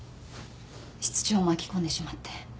室長を巻き込んでしまって。